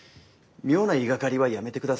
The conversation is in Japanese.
妙な言いがかりはやめて下さい。